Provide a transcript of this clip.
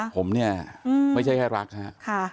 ผมเนี่ยไม่ใช่แค่รักครับ